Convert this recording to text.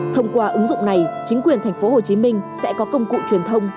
thông qua ứng dụng này chính quyền tp hcm sẽ có công cụ truyền thông